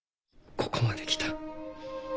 ここまで来た。